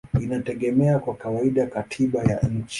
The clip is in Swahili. inategemea kwa kawaida katiba ya nchi.